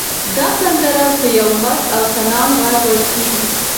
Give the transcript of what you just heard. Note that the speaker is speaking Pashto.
دا سندره په یو مست او طنان غږ ویل کېږي.